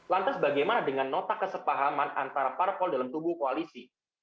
lantas bagaimana dengan nota kesepahaman antara parpol dalam tubuh koalisi